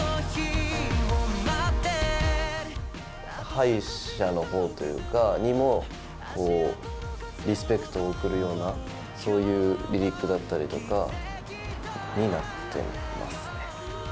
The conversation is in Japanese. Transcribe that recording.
敗者のほうというか、にも、リスペクトを送るようなそういうリリックだったりとかになってますね。